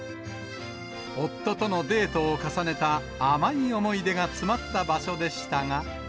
夫とのデートを重ねた甘い思い出が詰まった場所でしたが。